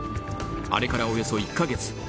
あれから、およそ１か月。